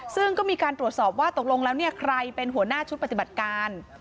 ซึ่งก็มีการตรวจสอบว่าตกลงแล้วเนี่ยใครเป็นหัวหน้าชุดปฏิบัติการ